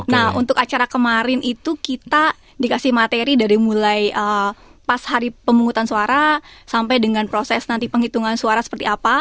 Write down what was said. nah untuk acara kemarin itu kita dikasih materi dari mulai pas hari pemungutan suara sampai dengan proses nanti penghitungan suara seperti apa